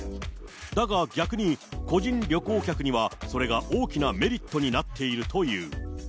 だが逆に、個人旅行客にはそれが大きなメリットになっているという。